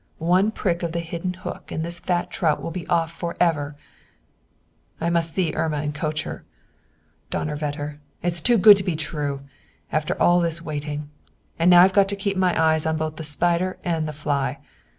One prick of the hidden hook and this fat trout would be off forever I must see Irma and coach her. Donnerwetter! It's too good to be true. After all this waiting. And now I've got to keep my eyes on both the spider and the fly.